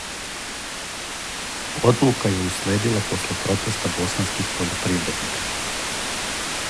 Одлука је уследила после протеста босанских пољопривредника.